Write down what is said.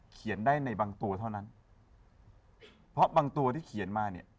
เขียนได้ในบางตัวเท่านั้นเพราะบางตัวที่เขียนมาเนี่ย